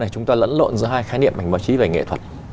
chúng ta lẫn lộn giữa hai khái niệm ảnh báo chí về nghệ thuật